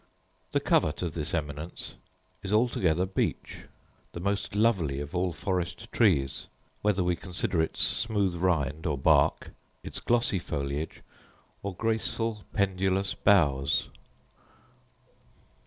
The covert of this eminence is altogether beech, the most lovely of all forest trees, whether we consider its smooth rind or bark, its glossy foliage, or graceful pendulous boughs.